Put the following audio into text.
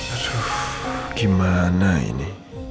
aduh gimana ini